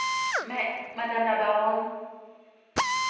Mais, madame la baronne…